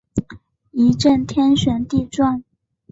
一阵天旋地转